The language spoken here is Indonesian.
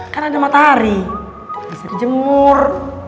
kan ada matahari bisa dijemur